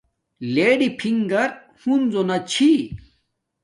لیڈی فنگر ہنزو نا چھی